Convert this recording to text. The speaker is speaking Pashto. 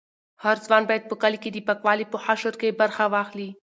هر ځوان باید په خپل کلي کې د پاکوالي په حشر کې برخه واخلي.